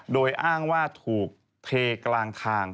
โดยอ้างว่าถูกเทกลางทาง